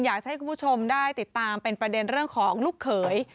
อยากให้คุณผู้ชมได้ติดตามเป็นประเด็นเรื่องของลูกเขย